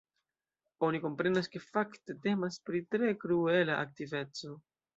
Oni komprenas, ke fakte temas pri tre kruela aktiveco.